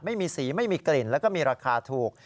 ไม่มีสีไม่มีกลิ่นแล้วก็มีราคาถูก